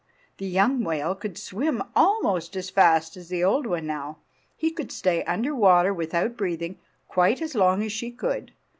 The young whale could swim almost as fast as the old one now. He could stay under water without breathing quite as long as she could.